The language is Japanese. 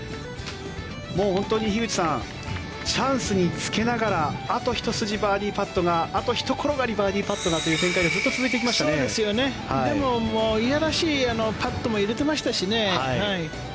本当に樋口さんチャンスにつけながらあとひと筋バーディーパットがあと１転がりバーディーパットがって展開がでも嫌らしいパットも入れていましたしね。